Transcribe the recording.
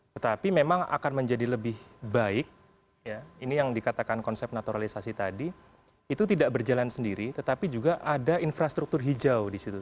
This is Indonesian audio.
tetapi memang akan menjadi lebih baik ini yang dikatakan konsep naturalisasi tadi itu tidak berjalan sendiri tetapi juga ada infrastruktur hijau di situ